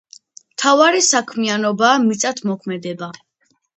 მთავარი საქმიანობაა მიწათმოქმედება.